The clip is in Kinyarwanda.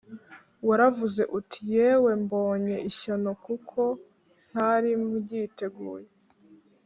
Waravuze uti Yewe mbonye ishyano kuko ntari mbyiteguye